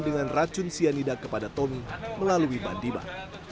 dengan racun sianida kepada tommy melalui bandiman